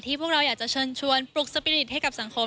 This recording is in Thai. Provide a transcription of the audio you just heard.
พวกเราอยากจะเชิญชวนปลุกสปีริตให้กับสังคม